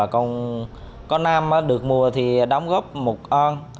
còn có nam được mùa thì đóng góp một con